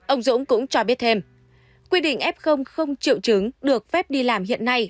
ông dũng cũng cho biết thêm quy định f không triệu chứng được phép đi làm hiện nay